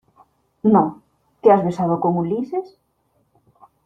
no. ¿ te has besado con Ulises?